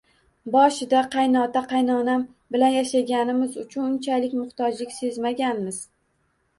Boshida qaynota-qaynonam bilan yashaganimiz uchun unchalik muhtojlik sezmaganmiz